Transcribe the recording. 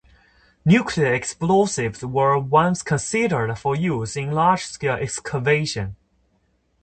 Nuclear explosives were once considered for use in large-scale excavation.